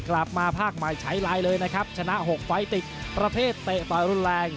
กลับมาภาคใหม่ใช้ไลน์เลยนะครับชนะ๖ไฟล์ติกประเภทเตะต่อยรุนแรง